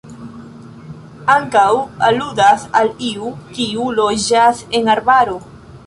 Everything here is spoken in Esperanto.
Ankaŭ aludas al iu, kiu loĝas en arbaro.